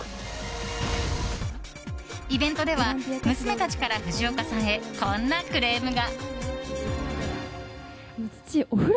イベントでは娘たちから藤岡さんへこんなクレームが。